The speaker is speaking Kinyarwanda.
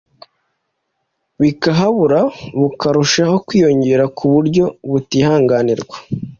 bikabura bukarushaho kwiyongera ku buryo butihanganirwa